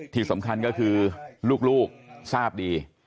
ที่สำคัญก็คือลูกทราบดี